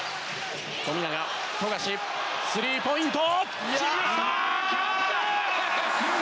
富樫、スリーポイント！